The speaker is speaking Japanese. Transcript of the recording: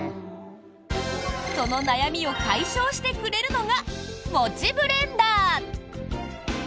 その悩みを解消してくれるのがもちブレンダー。